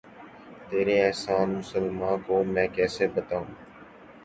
تیرے احسان مسلماں کو میں کیسے بتاؤں